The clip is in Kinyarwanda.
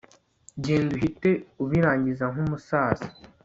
genda uhite ubirangiza nkumusaza